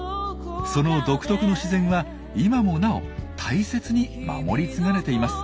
その独特の自然は今もなお大切に守り継がれています。